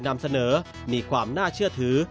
นำเสนอมีความน่าเชื่อถือ